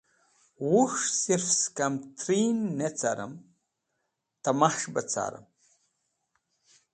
Wus̃h sirf skam trin ne carẽm canẽs̃h tẽma bẽ carẽm.